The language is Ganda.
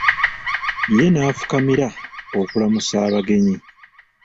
Ye n'afukamira okulamusa abagenyi.